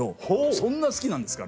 「そんな好きなんですか